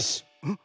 ん？